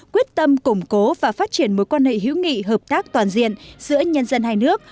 quyết tâm củng cố và phát triển mối quan hệ hữu nghị hợp tác toàn diện giữa nhân dân hai nước